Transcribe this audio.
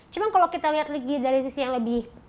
cuma kalau kita lihat lagi dari sisi yang lebih